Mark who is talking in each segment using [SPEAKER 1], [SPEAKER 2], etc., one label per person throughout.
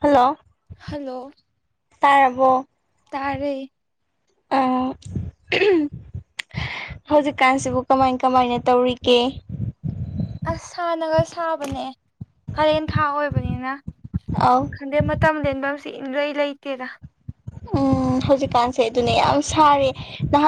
[SPEAKER 1] hello
[SPEAKER 2] hello
[SPEAKER 1] ꯇꯥꯔꯕꯣ
[SPEAKER 2] ꯇꯥꯔꯦ
[SPEAKER 1] ꯑꯥ ꯎꯝ ꯍꯧꯖꯤꯛꯀꯥꯟꯁꯤꯕꯨ ꯀꯃꯥꯏꯟ ꯀꯃꯥꯏꯅ ꯇꯧꯔꯤꯒꯦ
[SPEAKER 2] ꯑꯁ ꯁꯥꯥꯟꯅꯒ ꯁꯥꯕꯅꯦ ꯀꯔꯦꯟ ꯊꯥ ꯑꯣꯏꯕꯅꯤꯅ
[SPEAKER 1] ꯑꯥꯎ
[SPEAKER 2] ꯈꯪꯗꯦ ꯃꯇꯝ ꯂꯦꯟꯕꯝ ꯁꯤ ꯏꯟꯂꯩ ꯂꯩꯇꯦꯗ
[SPEAKER 1] ꯎꯝ ꯍꯧꯖꯤꯛꯀꯥꯟꯁꯦ ꯑꯗꯨꯅꯦ ꯌꯥꯝ ꯁꯥꯔꯦ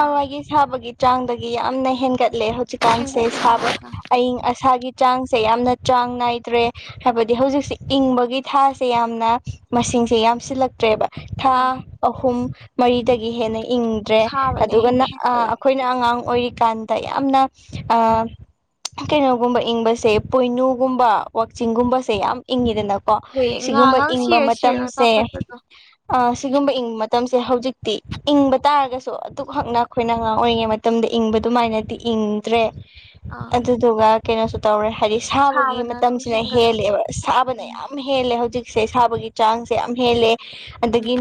[SPEAKER 2] ꯑꯥ
[SPEAKER 1] ꯁꯥꯕꯒꯤ ꯆꯥꯡꯗꯒꯤ ꯌꯥꯝꯅ ꯍꯦꯟꯒꯠꯂꯦ ꯍꯧꯖꯤꯛꯀꯥꯟꯁꯦ
[SPEAKER 2] ꯍꯦꯟꯒꯠꯂꯦ
[SPEAKER 1] ꯁꯥꯕ
[SPEAKER 2] ꯍꯧꯖꯤꯛꯀꯥꯟ
[SPEAKER 1] ꯑꯌꯤꯡ ꯑꯁꯥꯒꯤ ꯆꯥꯡꯁꯦ ꯌꯥꯝꯅ ꯆꯥꯡ ꯅꯥꯏꯗ꯭ꯔꯦ ꯍꯥꯏꯕꯗꯤ ꯍꯧꯖꯤꯛꯁꯦ ꯏꯪꯕꯒꯤ ꯊꯥꯁꯦ ꯌꯥꯝꯅ ꯃꯁꯤꯡꯁꯦ ꯌꯥꯝꯁꯤꯜꯂꯛꯇ꯭ꯔꯦꯕ ꯊꯥ
[SPEAKER 2] ꯑꯥ
[SPEAKER 1] ꯑꯍꯨꯝ ꯃꯔꯤꯗꯒꯤ ꯍꯦꯟꯅ ꯏꯪꯗ꯭ꯔꯦ
[SPEAKER 2] ꯁꯥꯕꯅ ꯍꯦꯟꯅ
[SPEAKER 1] ꯑꯗꯨꯒꯅ
[SPEAKER 2] ꯍꯦꯟꯒꯠꯂꯛꯑꯦ
[SPEAKER 1] ꯑꯩꯈꯣꯏꯅ ꯑꯉꯥꯡ ꯑꯣꯏꯔꯤꯀꯥꯟꯗ ꯌꯥꯝꯅ ꯀꯩꯅꯣꯒꯨꯝꯕ ꯏꯪꯕꯁꯦ ꯄꯣꯏꯅꯨꯒꯨꯝꯕ ꯋꯥꯛꯆꯤꯡꯒꯨꯝꯕꯁꯦ ꯌꯥꯝ ꯏꯪꯉꯤꯗꯅ ꯀ
[SPEAKER 2] ꯍꯣꯏ
[SPEAKER 1] ꯁꯤꯒꯨꯝꯕ
[SPEAKER 2] ꯉꯥꯒ
[SPEAKER 1] ꯏꯪꯕ
[SPEAKER 2] ꯁꯤꯔ ꯁꯤꯔꯒ
[SPEAKER 1] ꯃꯇꯝꯁꯦ
[SPEAKER 2] ꯆꯥꯎꯈꯠꯄꯗꯣ
[SPEAKER 1] ꯁꯤꯒꯨꯝꯕ ꯃꯇꯝꯁꯦ ꯍꯧꯖꯤꯛꯇꯤ ꯏꯪꯕ ꯇꯥꯔꯒꯁꯨ ꯑꯗꯨꯛ ꯍꯛꯅ ꯑꯩꯈꯣꯏꯅ ꯑꯉꯥꯡ ꯑꯣꯏꯔꯤꯉꯩ ꯃꯇꯝꯗ ꯏꯪꯕ ꯑꯗꯨꯃꯥꯏꯅꯗꯤ ꯏꯪꯗ꯭ꯔꯦ
[SPEAKER 2] ꯑꯥ
[SPEAKER 1] ꯑꯗꯨꯗꯨꯒ ꯀꯩꯅꯣꯁꯨ ꯇꯧꯔꯦ ꯍꯥꯏꯗꯤ ꯁꯥꯕꯒꯤ
[SPEAKER 2] ꯁꯥꯕꯅ ꯁꯨꯝ
[SPEAKER 1] ꯃꯇꯝꯁꯤꯅ
[SPEAKER 2] ꯍꯦꯟꯒꯠꯂꯛ
[SPEAKER 1] ꯍꯦꯜꯂꯦꯕ ꯁꯥꯕꯅ
[SPEAKER 2] ꯎꯝ
[SPEAKER 1] ꯌꯥꯝ ꯌꯥꯝ ꯍꯦꯜꯂꯦ ꯍꯧꯖꯤꯛꯁꯦ ꯁꯥꯕꯒꯤ ꯆꯥꯡꯁꯦ ꯌꯥꯝ ꯍꯦꯜꯂꯦ
[SPEAKER 2] ꯎꯝ
[SPEAKER 1] ꯑꯗꯒꯤ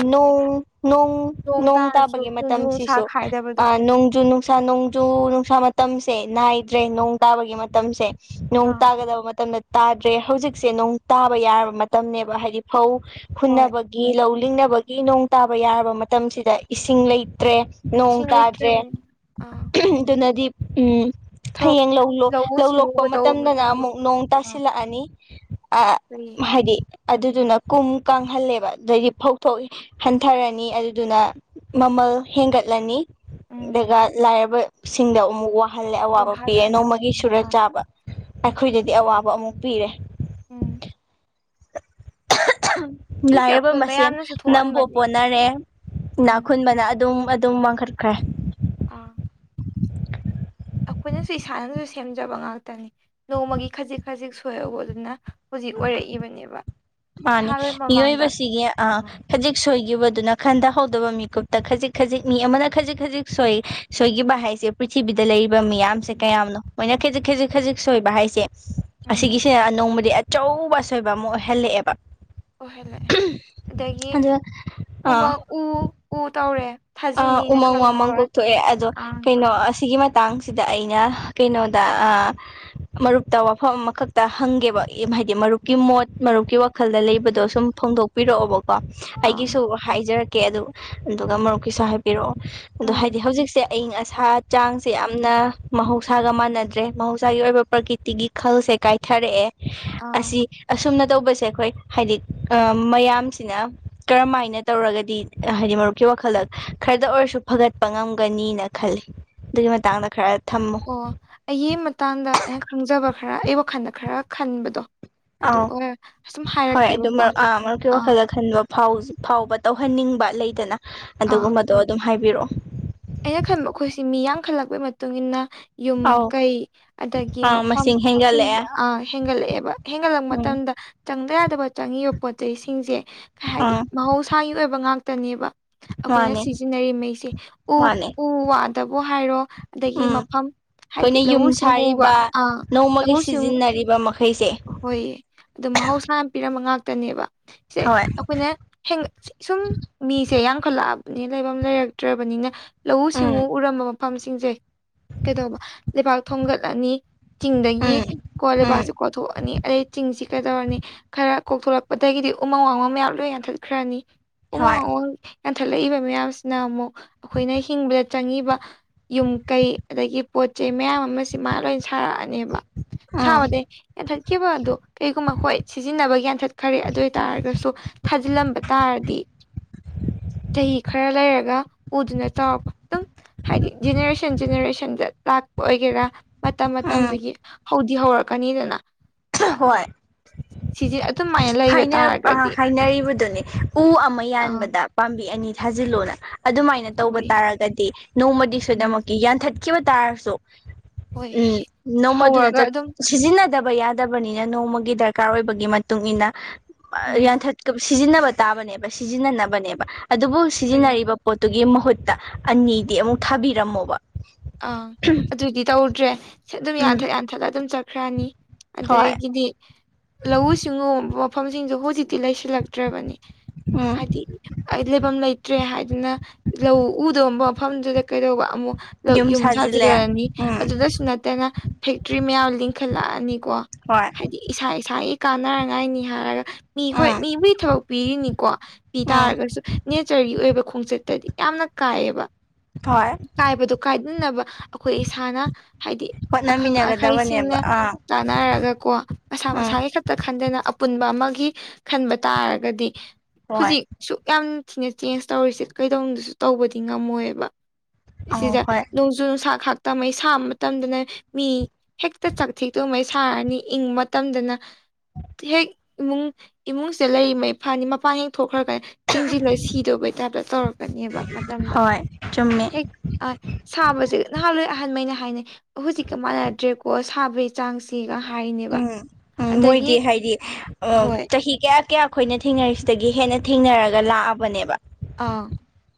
[SPEAKER 1] ꯅꯣꯡ
[SPEAKER 2] ꯇꯥꯔꯁꯨ
[SPEAKER 1] ꯇꯥꯕꯒꯤ
[SPEAKER 2] ꯅꯣꯡꯖꯨ ꯅꯨꯡꯁꯥ
[SPEAKER 1] ꯃꯇꯝꯁꯤꯁꯨ
[SPEAKER 2] ꯈꯥꯏꯗꯕꯗꯣ
[SPEAKER 1] ꯑ ꯅꯣꯡꯖꯨ ꯅꯨꯡꯁꯥ ꯅꯣꯡꯖꯨ ꯅꯨꯡꯁꯥ ꯃꯇꯝꯁꯦ ꯅꯥꯏꯗ꯭ꯔꯦ ꯅꯣꯡ ꯇꯥꯕꯒꯤ ꯃꯇꯝꯁꯦ ꯅꯣꯡ
[SPEAKER 2] ꯑꯥ
[SPEAKER 1] ꯇꯥꯒꯗꯕ ꯃꯇꯝꯗꯥ ꯇꯥꯗ꯭ꯔꯦ ꯍꯧꯖꯤꯛꯁꯦ ꯅꯣꯡ ꯇꯥꯕ ꯌꯥꯔꯕ ꯃꯇꯝꯅꯦꯕ ꯍꯥꯏꯗꯤ ꯐꯧ
[SPEAKER 2] ꯍꯣꯏ
[SPEAKER 1] ꯍꯨꯟꯅꯕ ꯒꯤ ꯂꯧ ꯂꯤꯡꯅꯕꯒꯤ ꯅꯣꯡ ꯇꯥꯕ ꯌꯥꯔꯕ ꯃꯇꯝꯁꯤꯗ ꯏꯁꯤꯡ ꯂꯩꯇ꯭ꯔꯦ ꯅꯣꯡ
[SPEAKER 2] ꯏꯁꯤꯡ
[SPEAKER 1] ꯇꯥꯗ꯭ꯔꯦ
[SPEAKER 2] ꯂꯩꯇ꯭ꯔꯕꯅꯤꯅ ꯑꯥ
[SPEAKER 1] ꯑꯗꯨꯅꯗꯤ ꯎꯝ ꯍꯌꯦꯡ
[SPEAKER 2] ꯊꯕꯛ
[SPEAKER 1] ꯂꯧ
[SPEAKER 2] ꯂꯧꯎ
[SPEAKER 1] ꯂꯣꯛꯄ
[SPEAKER 2] ꯁꯤꯡꯎꯕ ꯇꯧꯕ
[SPEAKER 1] ꯃꯇꯝꯗꯅ ꯑꯃꯨꯛ
[SPEAKER 2] ꯃꯇꯝꯗꯁꯨ
[SPEAKER 1] ꯅꯣꯡ ꯇꯥꯁꯤꯜꯂꯛꯑꯅꯤ ꯑꯥ
[SPEAKER 2] ꯎꯝ
[SPEAKER 1] ꯍꯥꯏꯗꯤ ꯑꯗꯨꯗꯨꯅ ꯀꯨꯝ ꯀꯪꯍꯜꯂꯦꯕ ꯑꯗꯩꯗꯤ ꯐꯧ ꯊꯣꯛꯏ ꯍꯟꯊꯔꯅꯤ ꯑꯗꯨꯗꯨꯅ ꯃꯃꯜ ꯍꯦꯟꯒꯠꯂꯅꯤ
[SPEAKER 2] ꯎꯝ
[SPEAKER 1] ꯑꯗꯨꯒ ꯂꯥꯏꯔꯕꯁꯤꯡꯗ ꯑꯃꯨꯛ ꯋꯥ ꯍꯜꯂꯦ ꯑꯋꯥꯕ ꯄꯤꯌꯦ
[SPEAKER 2] ꯋꯥꯍꯜꯂꯛꯑꯅꯤ
[SPEAKER 1] ꯅꯣꯡꯃꯒꯤ ꯁꯨꯔ
[SPEAKER 2] ꯑꯥ
[SPEAKER 1] ꯆꯥꯕ ꯑꯩꯈꯣꯏꯗꯗꯤ ꯑꯋꯥꯕ ꯑꯃꯨꯛ ꯄꯤꯔꯦ
[SPEAKER 2] ꯎꯝ ꯁꯤꯁꯦ
[SPEAKER 1] ꯂꯥꯏꯔꯕ
[SPEAKER 2] ꯑꯩꯈꯣꯏ
[SPEAKER 1] ꯃꯁꯦꯟ
[SPEAKER 2] ꯃꯌꯥꯝꯅꯁꯨ
[SPEAKER 1] ꯅꯝꯕꯣ
[SPEAKER 2] ꯊꯣꯛꯍꯟꯕꯅꯦ
[SPEAKER 1] ꯄꯣꯟꯅꯔꯦ
[SPEAKER 2] ꯎꯝ
[SPEAKER 1] ꯏꯅꯥꯈꯨꯟꯕꯅꯥ ꯑꯠ ꯑꯗꯨꯝ ꯑꯗꯨꯝ ꯃꯥꯡꯈꯠꯈ꯭ꯔꯦ
[SPEAKER 2] ꯑꯥ ꯑꯩꯈꯣꯏꯅꯁꯨ ꯏꯁꯥꯅꯁꯨ ꯁꯦꯝꯖꯕ ꯉꯥꯛꯇꯅꯤ ꯅꯣꯡꯃꯒꯤ ꯈꯖꯤꯛ ꯈꯖꯤꯛ ꯁꯣꯏꯕ ꯑꯗꯨꯅ ꯍꯧꯖꯤꯛ ꯑꯣꯏꯔꯛꯏꯕꯅꯦꯕ
[SPEAKER 1] ꯃꯥꯅꯦ
[SPEAKER 2] ꯅꯍꯥꯟꯋꯥꯏ ꯃꯃꯥꯡꯗ
[SPEAKER 1] ꯃꯤꯑꯣꯏꯕꯁꯤꯒꯤ ꯑ
[SPEAKER 2] ꯎꯝ
[SPEAKER 1] ꯈꯖꯤꯛ ꯁꯣꯏꯈꯤꯕꯗꯨꯅ ꯈꯟꯊꯍꯧꯗꯕ ꯃꯤꯀꯨꯞꯇ ꯈꯖꯤꯛ ꯈꯖꯤꯛ ꯃꯤ ꯑꯃꯅ ꯈꯖꯤꯛ ꯈꯖꯤꯛ ꯁꯣꯏ ꯁꯣꯏꯈꯤꯕ ꯍꯥꯏꯁꯦ ꯄ꯭ꯔꯤꯊꯤꯕꯤꯗ ꯂꯩꯔꯤꯕ ꯃꯤꯌꯥꯝ ꯅꯨꯡꯁꯤꯠ ꯀꯌꯥꯝꯅꯣ ꯃꯣꯏꯅ ꯈꯖꯤꯛ ꯈꯖꯤꯛ ꯈꯖꯤꯛ ꯁꯣꯏꯕ ꯍꯥꯏꯁꯦ
[SPEAKER 2] ꯎꯝ
[SPEAKER 1] ꯑꯁꯤꯒꯤꯁꯦ ꯅꯣꯡꯃꯗꯤ ꯆꯧꯕ ꯑꯁꯣꯏꯕ ꯑꯃ ꯑꯣꯏꯍꯜꯂꯛꯑꯦꯕ
[SPEAKER 2] ꯑꯣꯏꯍꯜꯂꯛꯑꯦ ꯑꯗꯒꯤ
[SPEAKER 1] ꯑꯗ
[SPEAKER 2] ꯎꯃꯪ ꯎ ꯎ ꯇꯧꯔꯦ
[SPEAKER 1] ꯑ
[SPEAKER 2] ꯊꯥꯖꯤꯟꯅꯤꯅ
[SPEAKER 1] ꯎꯃꯪ ꯋꯥꯃꯪ
[SPEAKER 2] ꯈꯪꯉꯔꯣꯏ
[SPEAKER 1] ꯀꯣꯛꯊꯣꯛꯑꯦ ꯑꯗꯣ
[SPEAKER 2] ꯑꯥ
[SPEAKER 1] ꯀꯩꯅꯣ ꯑꯁꯤꯒꯤ ꯃꯠ ꯇꯥꯡꯁꯤꯗ ꯑꯩꯅ ꯀꯩꯅꯣꯗ ꯑꯥ ꯃꯔꯨꯞꯇ ꯋꯥꯐꯝ ꯑꯃꯈꯛꯇ ꯍꯪꯒꯦꯕ ꯍꯥꯏꯗꯤ ꯃꯔꯨꯞꯀꯤ ꯃꯣꯠ ꯃꯔꯨꯞꯀꯤ ꯋꯥ ꯈꯜꯂ ꯂꯩꯕꯗꯣ ꯁꯨꯝ ꯐꯣꯡꯗꯣꯛꯄꯤꯔꯛꯑꯣꯕꯀꯣ
[SPEAKER 2] ꯑꯥ
[SPEAKER 1] ꯑꯩꯒꯤꯁꯨ ꯍꯥꯏꯖꯔꯛꯀꯦ ꯑꯗꯨ ꯑꯗꯨꯒꯨ ꯃꯔꯨꯞ ꯄꯤꯁꯥ ꯍꯦꯛ ꯄꯤꯔꯛꯑꯣ ꯑꯗꯣ
[SPEAKER 2] ꯎꯝ
[SPEAKER 1] ꯍꯥꯏꯗꯤ ꯍꯧꯖꯤꯛꯁꯦ ꯑꯏꯤꯡ ꯑꯁꯥ ꯆꯥꯡꯁꯦ ꯌꯥꯝꯅ ꯃꯍꯧꯁꯥꯒ ꯃꯥꯟꯅꯗ꯭ꯔꯦ ꯃꯍꯧꯁꯥꯒꯤ ꯑꯣꯏꯕ ꯄ꯭ꯔꯀꯤꯇꯤꯒꯤ ꯈꯜꯁꯦ ꯀꯥꯏꯊꯔꯛꯑꯦ
[SPEAKER 2] ꯑꯥ
[SPEAKER 1] ꯑꯁꯤ ꯑꯁꯨꯝꯅ ꯇꯧꯕꯁꯦ ꯑꯩꯈꯣꯏ ꯍꯥꯏꯗꯤ ꯃꯌꯥꯝꯁꯤꯅ ꯀꯔꯝꯍꯥꯏꯅ ꯇꯧꯔꯒꯗꯤ ꯑꯦ ꯍꯥꯏꯗꯤ ꯃꯔꯨꯞ ꯀꯤ ꯋꯥꯈꯜꯗ ꯈꯔꯗ ꯑꯣꯏꯔꯁꯨ ꯐꯒꯠꯄ ꯉꯝꯒꯅꯤꯅ ꯈꯜꯂꯤ ꯑꯗꯨꯒꯤ ꯃꯇꯥꯡꯗ ꯈꯔ ꯊꯝꯃꯨ
[SPEAKER 2] ꯑꯣ ꯑꯩꯒꯤ ꯃꯇꯥꯡꯗ ꯑꯩꯅ ꯈꯪꯖꯕ ꯈꯔ ꯑꯩ ꯋꯥꯈꯟꯗ ꯈꯔ ꯈꯟꯕꯗꯣ ꯑꯗꯨ
[SPEAKER 1] ꯑꯥꯎ
[SPEAKER 2] ꯑꯣꯏꯔ ꯁꯨꯝ
[SPEAKER 1] ꯍꯣꯏ
[SPEAKER 2] ꯍꯥꯏꯔꯛꯀꯦꯕꯀꯣ
[SPEAKER 1] ꯑꯗꯨꯝꯕ ꯑꯥ ꯃꯔꯨꯞꯀꯤ
[SPEAKER 2] ꯑꯥ
[SPEAKER 1] ꯋꯥꯈꯜꯗꯥ ꯈꯟꯕ ꯐꯥꯎꯕ ꯇꯧꯍꯟꯅꯤꯡꯕ ꯂꯩꯗꯅ
[SPEAKER 2] ꯑꯥ
[SPEAKER 1] ꯑꯗꯨꯒꯨꯝꯕꯗꯣ ꯑꯗꯨꯝ ꯍꯥꯏꯕꯤꯔꯛꯑꯣ
[SPEAKER 2] ꯑꯩꯅ ꯈꯟꯕ ꯑꯩꯈꯣꯏꯁꯤ ꯃꯤ ꯌꯥꯝꯈꯜꯂꯛꯄꯩ ꯃꯇꯨꯡꯏꯟꯅ ꯌꯨꯝ
[SPEAKER 1] ꯑꯧ
[SPEAKER 2] ꯀꯩ ꯑꯗꯒꯤ
[SPEAKER 1] ꯑꯥ
[SPEAKER 2] ꯃꯐꯝ
[SPEAKER 1] ꯃꯁꯤꯡ
[SPEAKER 2] ꯁꯤꯡ
[SPEAKER 1] ꯍꯦꯟꯒꯠꯂꯛꯑꯦ
[SPEAKER 2] ꯑ ꯍꯦꯟꯒꯠꯂꯛꯑꯦꯕ ꯍꯦꯟꯒꯠꯂꯛ
[SPEAKER 1] ꯎꯝ
[SPEAKER 2] ꯃꯇꯝꯗ ꯆꯪꯗ ꯌꯥꯗꯕ ꯆꯪꯉꯤꯕ ꯄꯣꯠꯆꯩ ꯁꯤꯡꯁꯦ ꯀꯩ ꯍꯥꯏꯗꯤ
[SPEAKER 1] ꯑꯥ
[SPEAKER 2] ꯃꯍꯧꯁꯥꯒꯤ ꯑꯣꯏꯕ ꯉꯥꯛꯇꯅꯦꯕ ꯑꯩꯈꯣꯏꯅ
[SPEAKER 1] ꯃꯥꯅꯦ
[SPEAKER 2] ꯁꯤꯖꯤꯟꯅꯔꯤ ꯃꯩꯁꯦ ꯎ
[SPEAKER 1] ꯃꯥꯅꯦ
[SPEAKER 2] ꯎ ꯋꯥꯗꯕꯨ ꯍꯥꯏꯔꯣ ꯑꯗꯒꯤ
[SPEAKER 1] ꯎꯝ
[SPEAKER 2] ꯃꯐꯝ ꯍꯥꯏꯗꯤ
[SPEAKER 1] ꯑꯩꯈꯣꯏꯅ ꯌꯨꯝ
[SPEAKER 2] ꯂꯧꯎ ꯁꯤꯡꯎꯕ ꯑ ꯂꯧꯎ ꯁꯤꯡꯎ
[SPEAKER 1] ꯐꯥꯃꯔꯤꯕ ꯃꯛ ꯈꯩꯁꯦ
[SPEAKER 2] ꯍꯣꯏꯌꯦ ꯑꯗꯣ ꯃꯍꯧꯁꯥꯅ ꯄꯤꯔꯝꯕ ꯉꯥꯛꯇꯅꯦꯕ ꯁꯦ
[SPEAKER 1] ꯍꯣꯏ
[SPEAKER 2] ꯑꯩꯈꯣꯏꯅ ꯍꯦꯡ ꯁꯨꯝ ꯃꯤꯁꯦ ꯌꯥꯝꯈꯠꯂꯛꯑꯕꯅꯤ ꯂꯩꯐꯝ ꯂꯩꯔꯛꯇ꯭ꯔꯕꯅꯤꯅ ꯂꯧꯎ
[SPEAKER 1] ꯎꯝ
[SPEAKER 2] ꯁꯤꯡꯎ ꯎꯔꯝꯕ ꯃꯐꯝꯁꯤꯡꯁꯦ ꯀꯩꯗꯧꯕ ꯂꯩꯕꯥꯛ ꯊꯣꯡꯒꯠꯂꯅꯤ ꯆꯤꯡꯗꯒꯤ
[SPEAKER 1] ꯎꯝ
[SPEAKER 2] ꯀꯣꯜ
[SPEAKER 1] ꯎꯝ
[SPEAKER 2] ꯂꯩꯕꯥꯛꯁꯦ ꯀꯣꯊꯣꯛꯑꯅꯤ ꯑꯗꯩ ꯆꯤꯡꯁꯤ ꯀꯩꯗꯧꯔꯅꯤ ꯈꯔ ꯀꯣꯛꯊꯣꯔꯛꯄꯗꯒꯤꯗꯤ ꯎꯃꯪ ꯋꯥꯃꯪ ꯃꯌꯥꯝ ꯂꯣꯏ ꯌꯥꯟꯊꯠꯈ꯭ꯔꯅꯤ ꯎꯃꯪ
[SPEAKER 1] ꯍꯣꯏ
[SPEAKER 2] ꯋꯥꯃꯪ ꯌꯥꯟꯊꯠꯂꯏꯕ ꯃꯌꯥꯝꯁꯤꯅ ꯑꯃꯨꯛ ꯑꯩꯈꯣꯏꯅ ꯍꯤꯡꯕꯗ ꯆꯪꯉꯤꯕ ꯌꯨꯝ ꯀꯩ ꯑꯗꯒꯤ ꯄꯣꯠ ꯆꯩ ꯃꯌꯥꯝ ꯑꯃꯁꯤ ꯃꯥ ꯂꯣꯏ ꯁꯥꯔꯛꯑꯅꯦꯕ
[SPEAKER 1] ꯎꯝ
[SPEAKER 2] ꯁꯥꯕꯗꯩ ꯌꯥꯟꯊꯠꯈꯤꯕ ꯑꯗꯣ ꯀꯩꯒꯨꯝꯕ ꯍꯣꯏ ꯁꯤꯖꯤꯟꯅꯕ ꯌꯥꯟꯊꯠꯈꯔꯦ ꯑꯗꯨ ꯑꯣꯏ ꯇꯔꯒꯁꯨ ꯊꯥꯖꯤꯜꯂꯝꯕ ꯇꯥꯔꯗꯤ ꯆꯍꯤ ꯈꯔ ꯂꯩꯔꯒ ꯎꯗꯨꯅ ꯆꯥꯎꯔꯛꯄ ꯑꯗꯨꯝ ꯍꯥꯏꯗꯤ ꯖꯦꯅꯦꯔꯦꯁꯟ ꯖꯦꯅꯦꯔꯦꯁꯟꯗ ꯂꯥꯛꯄ ꯑꯣꯏꯒꯦꯔꯥ ꯃꯇꯝ
[SPEAKER 1] ꯎꯝ
[SPEAKER 2] ꯃꯇꯝꯗꯨꯒꯤ ꯍꯧꯗꯤ ꯍꯧꯔꯛꯀꯅꯤꯗꯅ
[SPEAKER 1] ꯍꯣꯏ
[SPEAKER 2] ꯁꯤꯁꯦ ꯑꯗꯨꯃꯥꯏꯅ ꯂꯩꯕ
[SPEAKER 1] ꯑ
[SPEAKER 2] ꯇꯥꯔꯒꯗꯤ
[SPEAKER 1] ꯍꯥꯏꯅꯔꯤꯕꯗꯨꯅꯤ ꯎ ꯑꯃ
[SPEAKER 2] ꯑꯥ
[SPEAKER 1] ꯌꯥꯟꯕꯗ ꯄꯥꯝꯕꯤ ꯑꯅꯤ ꯊꯥꯖꯤꯜꯂꯣꯅ ꯑꯗꯨꯃꯥꯏꯅ ꯇꯧꯕ
[SPEAKER 2] ꯑꯩꯈꯣꯏ
[SPEAKER 1] ꯇꯥꯔꯒꯗꯤ ꯅꯣꯡꯃꯗꯤ
[SPEAKER 2] ꯎꯝ
[SPEAKER 1] ꯁꯣꯏꯗꯃꯛꯀꯤ ꯌꯥꯟꯊꯠ ꯆꯠꯈꯤꯕ ꯇꯥꯔꯁꯨ
[SPEAKER 2] ꯍꯣꯏ
[SPEAKER 1] ꯎꯝ ꯅꯣꯡꯃ ꯑꯗꯨꯗ
[SPEAKER 2] ꯍꯧꯔꯒ
[SPEAKER 1] ꯆꯠ
[SPEAKER 2] ꯑꯗꯨꯝ
[SPEAKER 1] ꯁꯤꯖꯤꯟꯅꯗꯕ ꯌꯥꯗꯕꯅꯤꯅ ꯅꯣꯡꯃꯒꯤ ꯗꯔꯀꯥꯔ ꯑꯣꯏꯕꯒꯤ ꯃꯇꯨꯡ ꯃꯇꯨꯡꯏꯟꯅ
[SPEAKER 2] ꯎꯝ
[SPEAKER 1] ꯌꯥꯟꯊꯠ ꯁꯤꯖꯤꯟꯅꯕ ꯇꯥꯕꯅꯦꯕ ꯁꯤꯖꯤꯟꯅꯅꯕꯅꯦꯕ ꯑꯗꯨꯕꯨ
[SPEAKER 2] ꯍꯣꯏ
[SPEAKER 1] ꯁꯤꯖꯤꯟꯅꯔꯤꯕ ꯄꯣꯠꯇꯨꯒꯤ ꯃꯍꯨꯠꯇ ꯑꯅꯤꯗꯤ ꯑꯃꯨꯛ ꯊꯥꯕꯤꯔꯝꯃꯣꯕ
[SPEAKER 2] ꯑꯪ ꯑꯗꯨꯏꯗꯤ ꯇꯧꯗ꯭ꯔꯦ ꯑꯗꯨꯝ
[SPEAKER 1] ꯎꯝ
[SPEAKER 2] ꯌꯥꯟꯊꯠ ꯌꯥꯟꯊꯠꯂ ꯑꯗꯨꯝ ꯆꯠꯈ꯭ꯔꯅꯤ
[SPEAKER 1] ꯍꯣꯏ
[SPEAKER 2] ꯑꯗꯒꯗꯤ ꯂꯧꯎ ꯁꯤꯡꯎꯕ ꯃꯐꯝꯁꯤꯡꯁꯨ ꯍꯧꯖꯤꯛꯇꯤ ꯂꯩꯁꯤꯜꯂꯛꯇ꯭ꯔꯕꯅꯤ
[SPEAKER 1] ꯑ
[SPEAKER 2] ꯑꯩ ꯂꯩꯐꯝ ꯂꯩꯇ꯭ꯔꯦ ꯍꯥꯏꯗꯅ ꯂꯧ ꯎꯗꯕ ꯃꯐꯝꯗꯨꯗ ꯀꯩꯗꯧꯕ ꯑꯃꯨꯛ ꯌꯨꯝ
[SPEAKER 1] ꯁꯥꯖꯤꯜꯂꯦ
[SPEAKER 2] ꯁꯥꯖꯤꯜꯂꯔꯅꯤ
[SPEAKER 1] ꯎꯝ
[SPEAKER 2] ꯑꯗꯨꯗꯁꯨ ꯅꯠꯇꯅ ꯐꯦꯛꯇ꯭ꯔꯤ ꯃꯌꯥꯝ ꯂꯤꯡꯈꯠꯂꯛꯑꯅꯤꯀꯣ
[SPEAKER 1] ꯍꯣꯏ
[SPEAKER 2] ꯍꯥꯏꯗꯤ ꯏꯁꯥ ꯏꯁꯥꯒꯤ ꯀꯥꯟꯅꯉꯥꯏꯅꯤ ꯍꯥꯏꯔꯒ ꯃꯤ ꯍꯣꯏ
[SPEAKER 1] ꯎꯝ
[SPEAKER 2] ꯃꯤꯕꯨꯒꯤ ꯊꯕꯛ ꯄꯤꯔꯤꯅꯤꯀꯣ ꯄꯤ
[SPEAKER 1] ꯎꯝ
[SPEAKER 2] ꯇꯥꯔꯒꯁꯨ ꯅꯦꯆꯔꯒꯤ ꯑꯣꯏꯕ ꯈꯣꯡꯆꯠꯇꯗꯤ ꯌꯥꯝꯅ ꯀꯥꯏꯑꯕ
[SPEAKER 1] ꯍꯣꯏ
[SPEAKER 2] ꯆꯕ ꯑꯩꯈꯣꯏ ꯏꯁꯥꯅ ꯍꯥꯏꯗꯤ ꯑꯈꯪ
[SPEAKER 1] ꯍꯣꯠꯅꯃꯤꯟꯅꯒꯗꯕꯅꯦꯕ
[SPEAKER 2] ꯑꯍꯩꯁꯤꯡꯅ
[SPEAKER 1] ꯑꯥ
[SPEAKER 2] ꯇꯥꯟꯅꯔꯒ ꯀꯣ ꯃꯁꯥ
[SPEAKER 1] ꯎꯝ
[SPEAKER 2] ꯃꯁꯥꯒꯤ ꯑꯩ ꯈꯛꯇ ꯈꯟꯗꯅ ꯑꯄꯨꯟꯕ ꯑꯃꯒꯤ ꯈꯟꯕ ꯇꯥꯔꯒꯗꯤ
[SPEAKER 1] ꯍꯣꯏ
[SPEAKER 2] ꯍꯧꯖꯤꯛ ꯁꯨꯛ ꯌꯥꯝ ꯊꯤꯅ ꯆꯦꯟꯖ ꯇꯧꯔꯤꯁꯦ ꯀꯩꯗꯧꯅꯅꯨꯡꯗꯁꯨ ꯇꯧꯕꯗꯤ ꯉꯝꯃꯣꯏꯕ
[SPEAKER 1] ꯑꯧ
[SPEAKER 2] ꯁꯤꯁꯦ
[SPEAKER 1] ꯍꯣꯏ
[SPEAKER 2] ꯅꯣꯡꯖꯨ ꯅꯨꯡꯁꯥ ꯈꯥꯛꯇ ꯃꯩ ꯁꯥꯕ ꯃꯇꯝꯗꯅ ꯃꯤ ꯍꯦꯛꯇ ꯆꯥꯛꯊꯤꯛꯇꯨꯉꯩ ꯁꯥꯔꯅꯤ ꯏꯪꯕ ꯃꯇꯝꯗꯅ ꯍꯦꯛ ꯏꯃꯨꯡ ꯏꯃꯨꯡꯁꯦ ꯂꯩꯔꯤꯉꯩ ꯐꯅꯤ ꯃꯄꯥꯟ ꯍꯦꯛ ꯊꯣꯛꯈ꯭ꯔꯒ ꯆꯤꯡꯁꯤꯂꯣꯏ ꯁꯤꯗꯧꯕꯩ ꯇꯥꯏꯞꯇ ꯇꯧꯔꯛꯀꯅꯦꯕ ꯃꯇꯝꯗ
[SPEAKER 1] ꯍꯣꯏ ꯆꯨꯝꯃꯦ
[SPEAKER 2] ꯍꯦꯛ ꯑ ꯁꯥꯕꯁꯦ ꯅꯍꯥꯟꯋꯥ ꯑꯍꯟꯃꯩꯅ ꯍꯥꯏꯅꯩ ꯍꯧꯖꯤꯛꯀ ꯃꯥꯟꯅꯗ꯭ꯔꯦꯀꯣ ꯁꯥꯕ ꯆꯥꯡꯁꯤꯒ ꯍꯥꯏꯅꯤ
[SPEAKER 1] ꯎꯝ ꯎꯝ ꯃꯣꯏꯗꯤ ꯍꯥꯏꯗꯤ
[SPEAKER 2] ꯍꯣꯏ
[SPEAKER 1] ꯆꯍꯤ ꯀꯌꯥ ꯀꯌꯥ ꯑꯩꯈꯣꯏꯅ ꯊꯦꯡꯅꯔꯤꯁꯤꯗꯒꯤ ꯍꯦꯟꯅ ꯊꯦꯡꯅꯔꯒ ꯂꯥꯛꯑꯕꯅꯦꯕ
[SPEAKER 2] ꯑꯥ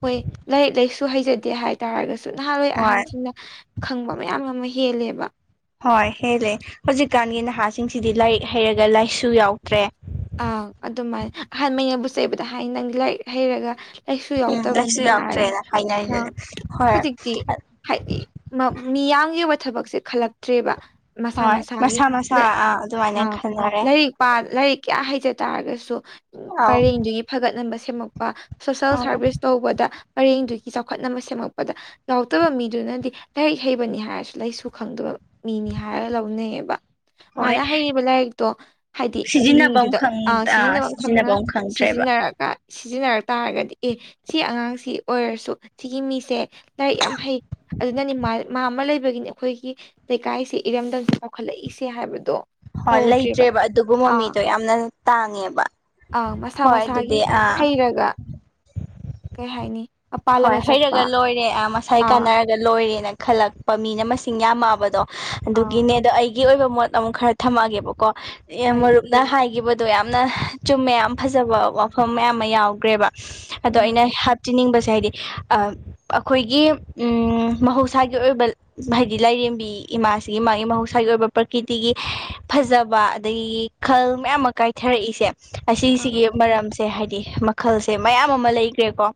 [SPEAKER 2] ꯍꯣꯏ ꯂꯥꯏꯔꯤꯛ ꯂꯥꯏꯁꯨ ꯍꯩꯖꯗꯦ ꯍꯥꯏ ꯇꯥꯔꯒꯁꯨ ꯅꯍꯥꯥꯟꯋꯥꯏ
[SPEAKER 1] ꯍꯣꯏ
[SPEAKER 2] ꯑꯍꯟꯁꯤꯡꯅ ꯈꯪꯕ ꯃꯌꯥꯝ ꯑꯃ ꯍꯦꯜꯂꯦꯕ
[SPEAKER 1] ꯍꯣꯏ ꯍꯦꯜꯂꯦ ꯍꯧꯖꯤꯛꯀꯥꯟꯒꯤ ꯅꯍꯥꯁꯤꯡꯁꯤꯗꯤ ꯂꯥꯏꯔꯤꯛ ꯍꯩꯔꯒ ꯂꯥꯏꯁꯨ ꯌꯥꯎꯗ꯭ꯔꯦ
[SPEAKER 2] ꯑꯪ ꯑꯗꯨꯃꯥꯏꯅ ꯑꯍꯥꯟꯕꯉꯩꯅꯕꯨ ꯆꯩꯕꯗ ꯍꯥꯏ ꯅꯪ ꯂꯥꯏꯔꯤꯛ ꯍꯩꯔꯒ ꯑꯩꯁꯨ
[SPEAKER 1] ꯎꯝ
[SPEAKER 2] ꯌꯥꯎꯗꯕꯅꯤ
[SPEAKER 1] ꯂꯥꯏꯁꯨ
[SPEAKER 2] ꯍꯥꯏꯔꯒ
[SPEAKER 1] ꯌꯥꯎꯗ꯭ꯔꯦꯅ
[SPEAKER 2] ꯑꯥ
[SPEAKER 1] ꯍꯥꯏꯅꯔꯤꯗꯨꯅꯦ ꯍꯣꯏ
[SPEAKER 2] ꯍꯧꯖꯤꯛꯇꯤ ꯍꯥꯏꯗꯤ ꯃꯤꯌꯥꯝꯒꯤ ꯑꯣꯏꯕ ꯊꯕꯛꯁꯦ ꯈꯜꯂꯛꯇ꯭ꯔꯦꯕ ꯃꯁꯥ
[SPEAKER 1] ꯍꯣꯏ
[SPEAKER 2] ꯃꯁꯥꯒꯤ
[SPEAKER 1] ꯃꯁꯥ ꯃꯁꯥ
[SPEAKER 2] ꯑ
[SPEAKER 1] ꯑꯗꯨꯃꯥꯏꯅ ꯈꯟꯅꯔꯦ
[SPEAKER 2] ꯂꯥꯏꯔꯤꯛ ꯂꯥꯏꯔꯤꯛ ꯀꯌꯥ ꯍꯩꯖ ꯇꯥꯔꯒꯁꯨ
[SPEAKER 1] ꯑꯧ
[SPEAKER 2] ꯄꯔꯦꯡꯗꯨꯒꯤ ꯐꯒꯠꯅꯕ ꯁꯦꯝꯃꯛꯄ ꯁꯣꯁꯦꯜ
[SPEAKER 1] ꯑꯥ
[SPEAKER 2] ꯁꯥꯔꯚꯤꯁ ꯇꯧꯕꯗ ꯄꯔꯦꯡꯗꯨꯒꯤ ꯆꯥꯎꯈꯠꯅꯕ ꯁꯦꯝꯃꯛꯄꯗ ꯌꯥꯎꯗꯕ ꯃꯤꯗꯨꯅꯗꯤ ꯂꯥꯏꯔꯤꯛ ꯍꯩꯕꯅꯤ ꯍꯥꯏꯔꯁꯨ ꯂꯥꯏꯔꯤꯁꯨ ꯈꯪꯗꯕ ꯃꯤꯅꯤ ꯍꯥꯏꯔꯒ ꯂꯧꯅꯩꯑꯌꯦꯕ
[SPEAKER 1] ꯍꯣꯏ
[SPEAKER 2] ꯃꯥꯅ ꯍꯩꯔꯤꯕ ꯂꯥꯏꯔꯤꯛꯇꯣ ꯍꯥꯏꯗꯤ
[SPEAKER 1] ꯁꯤꯖꯤꯟꯅꯐꯝ
[SPEAKER 2] ꯃꯤꯗꯨꯗ
[SPEAKER 1] ꯈꯪ ꯑꯥ
[SPEAKER 2] ꯁꯤꯖꯤꯟꯅꯐꯝ ꯈꯪꯅ
[SPEAKER 1] ꯈꯪꯗ꯭ꯔꯦꯕ
[SPEAKER 2] ꯁꯤꯖꯤꯟꯅꯔꯀꯥꯟ ꯁꯤꯖꯤꯟꯅꯔꯛ ꯇꯥꯔꯒꯗꯤ ꯑꯦ ꯁꯤ ꯑꯉꯥꯡꯁꯤ ꯑꯣꯏꯔꯁꯨ ꯁꯤꯒꯤ ꯃꯤꯁꯦ ꯂꯥꯏꯔꯤꯛ ꯌꯥꯝ ꯍꯩ ꯑꯗꯨꯅꯅꯤ ꯃꯥ ꯑꯃ ꯂꯩꯕꯒꯤꯅꯤ ꯑꯩꯈꯣꯏꯒꯤ ꯂꯩꯀꯥꯏꯁꯦ ꯏꯔꯝꯗꯝꯁ ꯀꯈꯠꯂꯛꯏꯁꯦ ꯍꯥꯏꯕꯗꯣ
[SPEAKER 1] ꯍ
[SPEAKER 2] ꯇꯧꯗ꯭ꯔꯤꯕ
[SPEAKER 1] ꯂꯩꯇ꯭ꯔꯦꯕ ꯑꯗꯨꯕꯨ ꯃꯃꯤꯗꯣ ꯌꯥꯝꯅ ꯇꯥꯡꯉꯦꯕ
[SPEAKER 2] ꯑꯪ ꯃꯁꯥ
[SPEAKER 1] ꯍꯣꯏ
[SPEAKER 2] ꯃꯁꯥꯒꯤ
[SPEAKER 1] ꯑꯗꯨꯗꯤ ꯑꯥ
[SPEAKER 2] ꯍꯩꯔꯒ ꯀꯩ ꯍꯥꯏꯅꯤ ꯃꯄꯥꯟ
[SPEAKER 1] ꯍꯣꯏ
[SPEAKER 2] ꯂꯝꯗ ꯆꯠꯄ
[SPEAKER 1] ꯍꯩꯔꯒ ꯂꯣꯏꯔꯦ ꯑꯥ ꯃꯁꯥꯏ
[SPEAKER 2] ꯑꯥ
[SPEAKER 1] ꯀꯥꯟꯅꯔꯒ ꯂꯣꯏꯔꯦ ꯈꯂꯛꯄ ꯃꯤꯅ ꯃꯁꯤꯡ ꯌꯥꯝꯗꯣ ꯑꯗꯨ ꯒꯤ
[SPEAKER 2] ꯑꯥ
[SPEAKER 1] ꯑꯣꯏꯕ ꯃꯣꯠ ꯑꯃꯨꯛ ꯈꯔ ꯊꯝꯃꯛꯑꯒꯦꯕꯀꯣ
[SPEAKER 2] ꯍꯣꯏ
[SPEAKER 1] ꯃꯔꯨꯞ ꯅ ꯍꯥꯏꯈꯤꯕꯗꯣ ꯌꯥꯝꯅ ꯆꯨꯝꯃꯦ ꯌꯥꯝ ꯐꯖꯕ ꯋꯥꯐꯝ ꯃꯌꯥꯝ ꯑꯃ ꯌꯥꯎꯈ꯭ꯔꯦꯕ ꯑꯗꯣ
[SPEAKER 2] ꯎꯝ
[SPEAKER 1] ꯑꯩꯅ ꯍꯥꯞꯆꯤꯟꯅꯤꯡꯕꯁꯦ ꯍꯥꯏꯗꯤ ꯑꯩꯈꯣꯏꯒꯤ ꯎꯝ ꯃꯍꯧꯁꯥꯒꯤ ꯑꯣꯏꯕ ꯍꯥꯏꯗꯤ ꯂꯥꯏꯔꯦꯝꯕꯤ ꯏꯃꯥꯁꯤꯒꯤ ꯃꯥꯒꯤ ꯃꯍꯧꯁꯥꯒꯤ ꯑꯣꯏꯕ ꯄ꯭ꯔꯀꯤꯇꯤꯒꯤ ꯐꯖꯕ ꯑꯗꯒꯤ ꯈꯜ ꯃꯌꯥꯝ ꯑꯃ ꯀꯥꯏꯊꯔꯛꯏꯁꯦ
[SPEAKER 2] ꯑꯥ
[SPEAKER 1] ꯑꯁꯤꯁꯤꯒꯤ ꯃꯔꯝꯁꯦ ꯍꯥꯏꯗꯤ ꯃꯈꯜꯁꯦ ꯃꯌꯥꯝ ꯑꯃ ꯂꯩꯈ꯭ꯔꯦꯀꯣ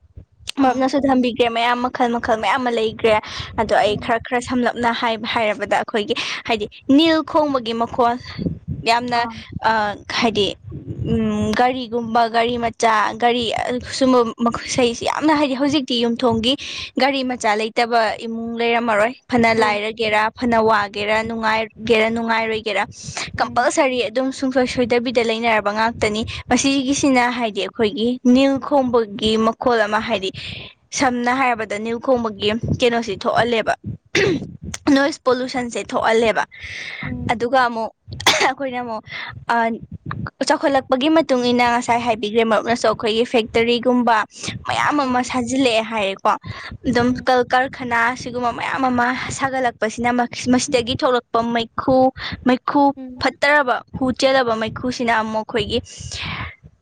[SPEAKER 2] ꯑꯥ
[SPEAKER 1] ꯃꯔꯨꯞꯅꯁꯨ ꯊꯝꯕꯤꯈ꯭ꯔꯦ ꯃꯌꯥꯝ ꯃꯈꯜ ꯃꯈꯜ ꯃꯌꯥꯝ ꯑꯃ ꯂꯩꯈ꯭ꯔꯦ ꯑꯗꯣ ꯑꯩ
[SPEAKER 2] ꯎꯝ
[SPEAKER 1] ꯈꯔ ꯈꯔ ꯁꯝꯂꯞꯅ ꯍꯥꯏꯕ ꯍꯥꯏꯔꯕꯗ ꯑꯩꯈꯣꯏꯒꯤ ꯍꯥꯏꯗꯤ ꯅꯤꯜ ꯈꯣꯡꯕꯒꯤ ꯃꯈꯣꯜ ꯌꯥꯝꯅ
[SPEAKER 2] ꯑꯥ
[SPEAKER 1] ꯍꯥꯏꯗꯤ ꯒꯥꯔꯤꯒꯨꯝꯕ ꯒꯥꯔꯤ ꯃꯆꯥ ꯒꯥꯔꯤ ꯁꯨꯝꯕ ꯃꯈ ꯌꯥꯝꯅ ꯍꯥꯏꯗꯤ ꯍꯧꯖꯤꯛꯇꯤ ꯌꯨꯝꯊꯣꯡꯒꯤ ꯒꯥꯔꯤ ꯃꯆꯥ ꯂꯩꯇꯕ ꯏꯃꯨꯡ ꯂꯩꯔꯝꯃꯔꯣꯏ ꯐꯅ
[SPEAKER 2] ꯍꯣꯏ
[SPEAKER 1] ꯂꯥꯏꯔꯒꯦꯔꯥ ꯐꯅ ꯋꯥꯒꯦꯔꯥ ꯅꯨꯡꯉꯥꯏꯒꯦꯔ ꯅꯨꯡꯉꯥꯏꯔꯣꯏꯒꯦꯔꯥ
[SPEAKER 2] ꯎꯝ
[SPEAKER 1] ꯀꯝꯄꯜꯁꯔꯤ ꯑꯗꯨꯝ ꯁꯨꯡꯁꯣꯏ ꯁꯣꯏꯗꯕꯤꯗ ꯂꯩꯅꯔꯕ ꯉꯥꯛꯇꯅꯤ ꯃꯁꯤꯒꯤꯁꯤꯅ ꯍꯥꯏꯗꯤ ꯑꯩꯈꯣꯏꯒꯤ ꯅꯤꯜ ꯈꯣꯝꯕꯒꯤ ꯈꯨꯣꯜ ꯑꯃ ꯍꯥꯏꯗꯤ ꯁꯝꯅ ꯍꯥꯏꯔꯕꯗ ꯅꯤꯌꯨ ꯈꯣꯡꯕꯒꯤ ꯀꯩꯅꯣꯁꯤ ꯊꯣꯛꯍꯜꯂꯦꯕ ꯅꯣꯏꯁ ꯄꯣꯂꯨꯁꯟꯁꯦ ꯊꯣꯛꯍꯜꯂꯦꯕ
[SPEAKER 2] ꯎꯝ
[SPEAKER 1] ꯑꯗꯨꯒ ꯑꯃꯨꯛ ꯑꯩꯈꯣꯏꯅꯃꯣ ꯑ ꯆꯥꯎꯈꯠꯂꯛꯄꯒꯤ ꯃꯇꯨꯡ ꯏ ꯃꯇꯨꯡꯏꯟꯅ ꯉꯁꯥꯏ ꯍꯥꯏꯕꯤꯈ꯭ꯔꯦ ꯃꯔꯨꯞꯅꯁꯨ ꯑꯩꯈꯣꯏꯒꯤ ꯐꯦꯛꯇꯔꯤꯒꯨꯝꯕ ꯃꯌꯥꯝ
[SPEAKER 2] ꯑꯥ
[SPEAKER 1] ꯑꯃ ꯁꯥꯖꯤꯜꯂꯛꯑꯦ ꯍꯥꯏꯔꯦꯀꯣ ꯑꯗꯨꯝ
[SPEAKER 2] ꯎꯝ
[SPEAKER 1] ꯀꯔꯈꯅꯥ ꯁꯤꯒꯨꯝꯕ ꯃꯌꯥꯝ ꯑꯃ ꯁꯥꯒꯠꯂꯛꯄꯁꯤꯅ ꯃꯁꯤꯗꯒꯤ ꯊꯣꯛꯂꯛꯄ ꯃꯩꯈꯨꯩ ꯈꯨ
[SPEAKER 2] ꯎꯝ
[SPEAKER 1] ꯐꯠꯇꯔꯕ ꯍꯨ ꯆꯦꯜꯂꯕ ꯃꯩꯈꯨꯁꯤꯅ ꯑꯃꯨꯛ ꯑꯩꯣꯏꯒꯤ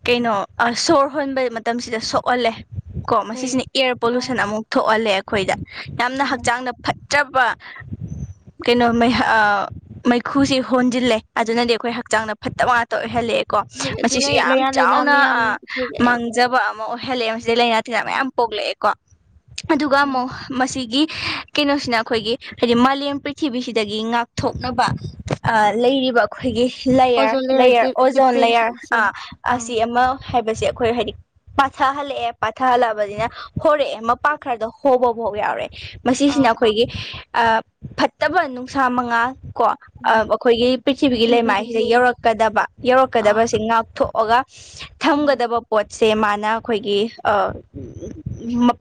[SPEAKER 1] ꯀꯩꯅꯣ ꯁꯣꯔ ꯍꯣꯟꯕ ꯃꯇꯝꯁꯤꯗ ꯁ ꯊꯣꯛꯍꯜꯂꯦ ꯀꯣ
[SPEAKER 2] ꯍꯣꯏ
[SPEAKER 1] ꯃꯁꯤꯁꯤꯅ ꯏꯌꯔ
[SPEAKER 2] ꯑꯥ
[SPEAKER 1] ꯄꯣꯂꯨꯁꯟ ꯑꯃꯨꯛ ꯊꯣꯛꯍꯜꯂꯦ ꯑꯩꯈꯣꯏꯗ ꯌꯥꯝꯅ
[SPEAKER 2] ꯎꯝ
[SPEAKER 1] ꯍꯛꯆꯥꯡꯗ ꯆꯠꯄ ꯀꯩꯅꯣꯩ ꯃꯩꯈꯨꯁꯤ ꯍꯣꯟꯖꯤꯜꯂꯦ ꯑꯗꯨꯅꯗꯤ ꯑꯩꯈꯣꯏ ꯍꯛꯆꯥꯡꯗ ꯐꯠꯇꯕ ꯇ ꯑꯣꯏꯍꯜꯂꯑꯦꯀꯣ
[SPEAKER 2] ꯍꯣꯏ
[SPEAKER 1] ꯃꯁꯤꯁꯨ
[SPEAKER 2] ꯑꯗꯨꯅꯅꯦ
[SPEAKER 1] ꯌꯥꯝ
[SPEAKER 2] ꯂꯥꯏꯅꯥ ꯂꯥꯏꯅꯥ
[SPEAKER 1] ꯆꯥꯎꯅ
[SPEAKER 2] ꯃꯌꯥꯝ ꯄꯨꯊꯣꯛꯂꯛꯑꯦ
[SPEAKER 1] ꯃꯥꯡꯖꯕ ꯑꯃ ꯑꯣꯏꯍꯜꯂꯑꯦ ꯁꯤꯗꯦ ꯂꯥꯏꯅꯥ ꯇꯤꯟꯅꯥ
[SPEAKER 2] ꯑꯥ
[SPEAKER 1] ꯃꯌꯥꯝ ꯄꯣꯛꯂꯛꯑꯦꯀꯣ ꯑꯗꯨꯒ
[SPEAKER 2] ꯎꯝ
[SPEAKER 1] ꯑꯃꯨꯛ ꯃꯁꯤꯒꯤ ꯀꯩꯅꯣꯁꯤꯅ ꯑꯩꯈꯣꯏꯒꯤ ꯍꯥꯏꯗꯤ ꯃꯥꯂꯦꯝ ꯄ꯭ꯔꯤꯊꯤꯕꯤꯁꯤꯗꯒꯤ ꯉꯥꯛꯊꯣꯛꯅꯕ ꯑ ꯂꯩꯔꯤꯕ ꯑꯩꯈꯣꯏꯒꯤ ꯂꯌꯔ
[SPEAKER 2] ꯑꯣꯖꯣꯟ ꯂꯦꯌꯔ ꯗꯤ
[SPEAKER 1] ꯂꯌꯔ ꯑꯣꯖꯣꯟ
[SPEAKER 2] ꯗꯤꯄ꯭ꯔꯦꯁꯟꯁꯦ
[SPEAKER 1] ꯂꯌꯔ
[SPEAKER 2] ꯑꯥ
[SPEAKER 1] ꯑꯁꯤ ꯑꯃ ꯍꯥꯏꯕꯁꯦ ꯑꯩꯈꯣꯏ ꯍꯥꯏꯗꯤ ꯄꯊꯥꯍꯜꯂꯛꯑꯦ ꯄꯥꯊꯍꯜꯂꯛꯑꯕꯅꯤꯅ ꯍꯣꯔꯛꯑꯦ ꯃꯄꯥꯛ ꯈꯔꯗ ꯍꯣꯕ ꯐꯥꯎ ꯌꯥꯎꯔꯑꯦ ꯃꯁꯤꯁꯤꯅ
[SPEAKER 2] ꯑꯥ
[SPEAKER 1] ꯑꯩꯈꯣꯏꯒꯤ ꯐꯠꯇꯕ ꯅꯨꯡꯁꯥ ꯃꯉꯥ ꯀꯣ
[SPEAKER 2] ꯎꯝ
[SPEAKER 1] ꯑꯩꯈꯣꯏꯒꯤ ꯄ꯭ꯔꯤꯊꯤꯕꯤꯒꯤ
[SPEAKER 2] ꯌꯨꯚꯤ
[SPEAKER 1] ꯂꯩꯃꯥꯏꯁꯤꯗ
[SPEAKER 2] ꯔꯦ
[SPEAKER 1] ꯌꯧꯔꯛꯀꯗꯕ
[SPEAKER 2] ꯑꯥ
[SPEAKER 1] ꯌꯧꯔꯛꯀꯗꯕꯕꯁꯤ ꯉꯥꯛꯊꯣꯛꯑꯒ
[SPEAKER 2] ꯎꯝ
[SPEAKER 1] ꯊꯝꯒꯗꯕ ꯄꯣꯠꯁꯦ ꯃꯥꯅ ꯑꯩꯈꯣꯏꯒꯤ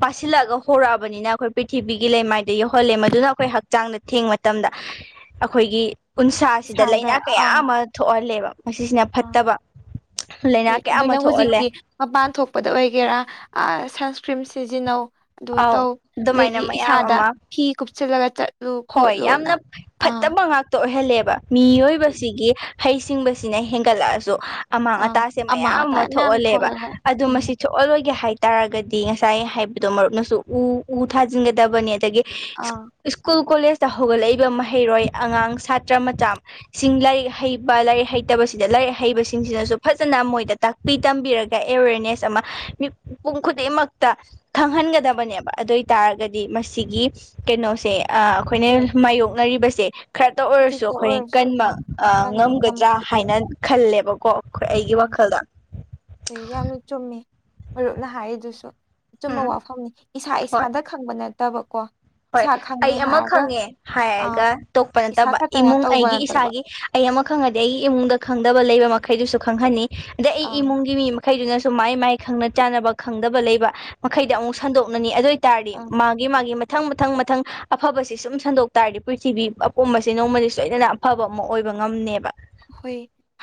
[SPEAKER 1] ꯄꯥꯁꯤꯜꯂꯛꯑꯒ ꯍꯧꯔꯛꯑꯕꯅꯤꯅ ꯑꯩꯈꯣꯏ ꯄ꯭ꯔꯤꯊꯤꯕꯤꯒꯤ ꯂꯩꯃꯥꯏꯗ ꯌꯧꯍꯜꯂꯦ ꯃꯗꯨꯅ ꯑꯩꯈꯣꯏ ꯍꯛꯆꯥꯡꯗ ꯊꯦꯡꯕ ꯃꯇꯝꯗ ꯑꯩꯈꯣꯏꯒꯤ ꯎꯟꯁꯥꯁꯤꯗ
[SPEAKER 2] ꯏꯁꯥꯗ
[SPEAKER 1] ꯂꯥꯏꯅꯥ ꯀꯌꯥ
[SPEAKER 2] ꯑꯥ
[SPEAKER 1] ꯑꯃ ꯊꯣꯛꯍꯜꯂꯦꯕ ꯃꯁꯤꯁꯤꯅ
[SPEAKER 2] ꯑꯥ
[SPEAKER 1] ꯐꯠꯇꯕ ꯂꯥꯏꯅꯥ
[SPEAKER 2] ꯍꯣꯏ
[SPEAKER 1] ꯀꯌꯥ ꯑꯃ
[SPEAKER 2] ꯑꯗꯨꯅ
[SPEAKER 1] ꯊꯣꯛꯍꯜꯂꯦ
[SPEAKER 2] ꯍꯧꯖꯤꯛꯇꯤ ꯃꯄꯥꯟ ꯊꯣꯛꯄꯗ ꯑꯣꯏꯒꯦꯔꯥ ꯁꯟꯁꯀ꯭ꯔꯤꯟ ꯁꯤꯖꯤꯟꯅꯧ ꯑꯗꯨ
[SPEAKER 1] ꯑꯥꯎ
[SPEAKER 2] ꯇꯧ
[SPEAKER 1] ꯑꯗꯨꯃꯥꯏꯅ
[SPEAKER 2] ꯑꯗꯒꯤ
[SPEAKER 1] ꯃꯌꯥꯝ
[SPEAKER 2] ꯏꯁꯥꯗ
[SPEAKER 1] ꯑꯃ
[SPEAKER 2] ꯐꯤ ꯀꯨꯞꯁꯤꯜꯂꯒ ꯆꯠ
[SPEAKER 1] ꯍꯣꯏ ꯌꯥꯝꯅ ꯐꯠꯇꯕ ꯉꯥꯛ ꯇ ꯑꯣꯏꯍꯜꯂꯦꯕ
[SPEAKER 2] ꯍꯣꯏ
[SPEAKER 1] ꯃꯤꯑꯣꯏꯕꯁꯤꯒꯤ ꯍꯩꯁꯤꯡꯕꯁꯤꯅ ꯍꯦꯟꯒꯠꯂꯛꯑꯁꯨ ꯑꯃꯥꯡ
[SPEAKER 2] ꯑꯥ
[SPEAKER 1] ꯑꯇꯥꯁꯦ
[SPEAKER 2] ꯑꯃꯥ
[SPEAKER 1] ꯃꯌꯥꯝ
[SPEAKER 2] ꯑꯇꯥ
[SPEAKER 1] ꯑꯃ
[SPEAKER 2] ꯃꯌꯥꯝ
[SPEAKER 1] ꯊꯣꯛꯍꯜꯂꯦꯕ
[SPEAKER 2] ꯊꯣꯛꯂꯛꯑꯦ
[SPEAKER 1] ꯑꯗꯨ
[SPEAKER 2] ꯎꯝ
[SPEAKER 1] ꯃꯁꯤ ꯊꯣꯛ ꯑꯣꯜꯂꯣꯏꯒꯦ ꯍꯥꯏꯇꯥꯥꯔꯒꯗꯤ ꯉꯁꯥꯏ ꯍꯥꯏꯕꯗꯣ ꯃꯔꯨꯞꯅꯁꯨ ꯎ ꯎ ꯊꯥꯖꯤꯟꯒꯗꯕꯅꯤ ꯑꯗꯒꯤ
[SPEAKER 2] ꯑꯥ
[SPEAKER 1] ꯁ꯭ꯀꯨꯜ ꯀꯣꯂꯦꯖꯇ ꯍꯧꯒꯠꯂꯛꯏꯕ ꯃꯍꯩꯔꯣꯏ ꯑꯉꯥꯡ ꯁꯥꯇ꯭ꯔ ꯃꯆꯥ ꯁꯤꯡ ꯂꯥꯏꯔꯤꯛ ꯍꯩꯕ ꯂꯥꯏꯔꯤꯛ ꯍꯩꯇꯕꯁꯤꯗ ꯂꯥꯏꯔꯤꯛ ꯍꯩꯕꯁꯤꯡꯁꯤꯅꯁꯨ ꯐꯖꯅ ꯃꯣꯏꯗ ꯇꯥꯛꯄꯤ ꯇꯝꯕꯤꯔꯒ ꯑꯦꯋꯦꯔꯅꯦꯁ ꯑꯃ ꯃꯤ ꯃꯤꯄꯨꯝ ꯈꯨꯗꯤꯡꯃꯛꯇ ꯈꯪꯍꯟꯒꯗꯕꯅꯦꯕ ꯑꯗꯨ ꯑꯣꯏ ꯇꯔꯒꯗꯤ ꯃꯁꯤꯒꯤ ꯀꯩꯅꯣꯁꯦ ꯑ ꯑꯩꯈꯣꯏꯅ
[SPEAKER 2] ꯍꯣꯏ
[SPEAKER 1] ꯃꯥꯌꯣꯛꯅꯔꯤꯕꯁꯦ ꯈꯔꯇ ꯑꯣꯏꯔꯁꯨ
[SPEAKER 2] ꯈꯖꯤꯛꯇ
[SPEAKER 1] ꯑꯩꯈꯣꯏ
[SPEAKER 2] ꯑꯣꯏꯔꯁꯨ
[SPEAKER 1] ꯀꯟꯕ
[SPEAKER 2] ꯑꯥ ꯀꯟꯕ
[SPEAKER 1] ꯉꯝꯒꯗ꯭ꯔꯥ
[SPEAKER 2] ꯉꯝꯃꯛꯇꯣꯏꯅꯤ
[SPEAKER 1] ꯍꯥꯏꯅ ꯈꯜꯂꯦꯕꯀꯣ ꯍꯣꯏ ꯑꯩꯒꯤ ꯋꯥꯈꯜꯗ
[SPEAKER 2] ꯑꯩ ꯌꯥꯝꯅ ꯆꯨꯝꯃꯤ ꯃꯔꯨꯞꯅ ꯍꯥꯏꯔꯤꯗꯨꯁꯨ ꯑꯆꯨꯝꯕ
[SPEAKER 1] ꯎꯝ
[SPEAKER 2] ꯋꯥꯐꯝꯅꯤ ꯏꯁꯥ
[SPEAKER 1] ꯍꯣꯏ
[SPEAKER 2] ꯏꯁꯥꯗ ꯈꯪꯕ ꯅꯠꯇꯕꯀꯣ
[SPEAKER 1] ꯍꯣꯏ
[SPEAKER 2] ꯏꯁꯥ
[SPEAKER 1] ꯑꯩ
[SPEAKER 2] ꯈꯪꯉꯦ
[SPEAKER 1] ꯑꯃ
[SPEAKER 2] ꯍꯥꯏꯔꯒ
[SPEAKER 1] ꯈꯪꯉꯦ
[SPEAKER 2] ꯑꯥ
[SPEAKER 1] ꯍꯥꯏꯔꯒ ꯇꯣꯛꯄ
[SPEAKER 2] ꯏꯁꯥ
[SPEAKER 1] ꯅꯠꯇꯕ
[SPEAKER 2] ꯈꯛꯇꯅ
[SPEAKER 1] ꯏꯃꯨꯡ
[SPEAKER 2] ꯇꯧꯕ
[SPEAKER 1] ꯑꯩꯒꯤ
[SPEAKER 2] ꯅꯠꯇꯕ
[SPEAKER 1] ꯏꯁꯥꯒꯤ ꯑꯩ ꯑꯃ ꯈꯪꯉꯗꯤ ꯑꯩꯒꯤ ꯏꯃꯨꯡꯗ ꯈꯪꯗꯕ ꯂꯩꯕ ꯃꯈꯩꯗꯨꯁꯨ ꯈꯪꯍꯟꯅꯤ ꯑꯗꯩ ꯑꯩ
[SPEAKER 2] ꯑꯥ
[SPEAKER 1] ꯏꯃꯨꯡꯒꯤ ꯃꯤ ꯃꯈꯩꯗꯨꯅꯁꯨ ꯃꯥꯏ ꯃꯥꯏ ꯈꯪꯅ ꯆꯥꯟꯅꯕ ꯈꯪꯗꯕ ꯂꯩꯕ ꯃꯈꯩꯗ ꯑꯃꯨꯛ ꯁꯟꯗꯣꯛꯅꯅꯤ ꯑꯗꯨ ꯑꯣꯏꯇꯥꯔꯗꯤ
[SPEAKER 2] ꯑꯪ
[SPEAKER 1] ꯃꯥ ꯒꯤ ꯃꯥꯒꯤ ꯃꯊꯪ ꯃꯊꯪ ꯃꯊꯪ ꯑꯐꯕꯁꯤ ꯁꯨꯝ ꯁꯟꯗꯣꯛ ꯇꯥꯔꯗꯤ ꯄ꯭ꯔꯤꯊꯤꯕꯤ ꯑꯄꯨꯝꯕꯁꯦ ꯅꯣꯡꯃꯗꯤ ꯁꯣꯏꯗꯅ ꯑꯐꯕ ꯑꯃ ꯑꯣꯏꯕ ꯉꯝꯅꯦꯕ
[SPEAKER 2] ꯑꯣꯏ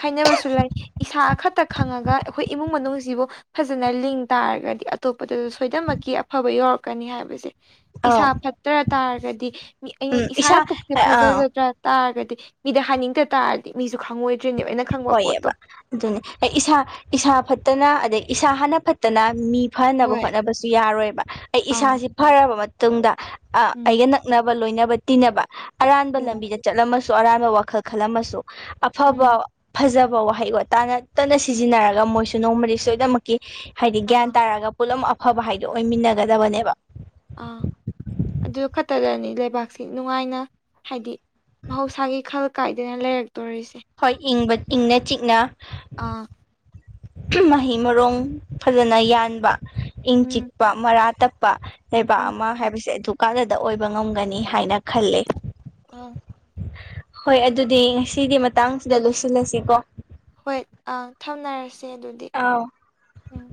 [SPEAKER 2] ꯍꯥꯏꯅꯕꯁꯨ ꯂꯩ ꯏꯁꯥ ꯈꯛꯇ ꯈꯪꯉꯒ ꯑꯩꯈꯣꯏ ꯏꯃꯨꯡ ꯃꯅꯨꯡꯁꯤꯕꯨ ꯐꯖꯅ ꯂꯤꯡ ꯇꯥꯔꯒꯗꯤ ꯑꯇꯣꯞꯄꯗꯁꯨ ꯁꯣꯏꯗꯃꯛꯀꯤ ꯑꯐꯕ ꯌꯎꯔꯛꯀꯅꯤ ꯍꯥꯏꯕꯁꯦ ꯏꯁꯥ
[SPEAKER 1] ꯑꯧ
[SPEAKER 2] ꯐꯠꯇ꯭ꯔ ꯇꯥꯔꯒꯗꯤ ꯑꯩ
[SPEAKER 1] ꯎꯝ
[SPEAKER 2] ꯏꯁꯥꯅ
[SPEAKER 1] ꯏꯁꯥ
[SPEAKER 2] ꯄꯨꯛꯁꯦ
[SPEAKER 1] ꯑ
[SPEAKER 2] ꯐꯖꯒꯗ꯭ꯔꯥ ꯇꯥꯔꯒꯗꯤ ꯃꯤꯗ ꯍꯥꯏꯅꯤꯡꯗ ꯇꯥꯔꯗꯤ ꯃꯤꯁꯨ ꯈꯪꯉꯣꯏꯗ꯭ꯔꯤꯅꯤ
[SPEAKER 1] ꯍꯣꯏꯑꯕ ꯑꯗꯨꯅꯦ ꯏꯁꯥ ꯏꯁꯥ ꯐꯠꯇꯅ ꯑꯗꯩ ꯏꯁꯥ ꯍꯥꯟꯅ ꯐꯠꯇꯅ ꯃꯤ ꯐꯅꯕ
[SPEAKER 2] ꯍꯣꯏ
[SPEAKER 1] ꯍꯣꯠꯅꯕꯁꯨ ꯌꯥꯔꯣꯏꯕ ꯑꯩ
[SPEAKER 2] ꯑꯥ
[SPEAKER 1] ꯏꯁꯥꯁꯤ ꯐꯔꯕ ꯃꯇꯨꯡꯗ
[SPEAKER 2] ꯎꯝ
[SPEAKER 1] ꯑꯩꯒ ꯅꯛꯅꯕ ꯂꯣꯏꯅꯕ ꯇꯤꯟꯅꯕ ꯑꯔꯥꯟꯕ
[SPEAKER 2] ꯍꯣꯏ
[SPEAKER 1] ꯂꯝꯕꯤꯗ ꯆꯠꯂꯝꯃꯁꯨ ꯑꯔꯥꯟꯕ ꯋꯥꯈꯜ ꯈꯜꯂꯝꯃꯁꯨ ꯑꯐꯕ
[SPEAKER 2] ꯎꯝ
[SPEAKER 1] ꯐꯖꯕ ꯋꯥꯍꯩꯒꯣ ꯇꯥꯅ ꯇꯅ ꯁꯤꯖꯤꯟꯅꯔꯒ ꯃꯣꯏꯁꯨ ꯅꯣꯡꯃꯗꯤ ꯁꯣꯏꯗꯃꯛ ꯀ ꯍꯥꯏꯗꯤ ꯒ꯭ꯌꯥꯟ
[SPEAKER 2] ꯑꯥ
[SPEAKER 1] ꯇꯥꯔꯒ ꯄꯨꯂꯞ ꯑꯐꯕ ꯍꯥꯏꯗꯣ ꯑꯣꯏꯃꯤꯟꯅꯒꯗꯕꯅꯦꯕ
[SPEAKER 2] ꯑꯥ ꯑꯗꯨ ꯈꯛꯇꯗꯅꯤ ꯂꯩꯕꯥꯛꯁꯤ ꯅꯨꯡꯉꯥꯏꯅ ꯍꯥꯏꯗꯤ ꯃꯍꯧꯁꯥꯒꯤ ꯈꯜ ꯀꯥꯏꯗꯅ ꯂꯩꯔꯛꯇꯣꯔꯤꯁꯦ
[SPEAKER 1] ꯍꯣꯏ ꯏꯪꯕ ꯏꯪꯅ ꯆꯤꯛꯅ
[SPEAKER 2] ꯑꯥ
[SPEAKER 1] ꯃꯍꯩ ꯃꯔꯣꯡ ꯐꯖꯅ ꯌꯥꯟꯕ ꯏꯪ
[SPEAKER 2] ꯎꯝ
[SPEAKER 1] ꯆꯤꯛꯄ ꯃꯔꯥ ꯇꯞꯄ ꯂꯩꯕꯥꯛ
[SPEAKER 2] ꯎꯝ
[SPEAKER 1] ꯑꯃ ꯍꯥꯏꯕꯁꯦ ꯑꯗꯨ ꯀꯥꯟꯗꯗ ꯑꯣꯏꯕ ꯉꯝꯒꯅꯤ ꯍꯥꯏꯅ ꯈꯂꯦ
[SPEAKER 2] ꯑꯣꯐ
[SPEAKER 1] ꯍꯣꯏ ꯑꯗꯨꯗꯤ ꯉꯁꯤꯗꯤ ꯃꯇꯥꯡꯁꯤꯗ ꯂꯣꯏꯁꯤꯜꯂꯁꯤꯀꯣ
[SPEAKER 2] ꯍꯣꯏ ꯑꯪ ꯊꯝꯅꯔꯁꯦ ꯑꯗꯨꯗꯤ
[SPEAKER 1] ꯑꯥꯎ
[SPEAKER 2] ꯎꯝ